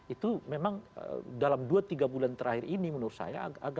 itu memang dalam dua tiga bulan terakhir ini menurut saya